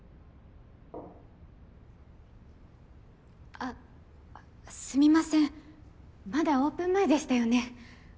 あすみませんまだオープン前でしたよね